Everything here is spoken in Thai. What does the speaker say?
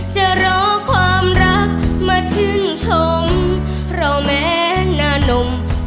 จะรอความรักมาชื่นชมเพราะแม้นานม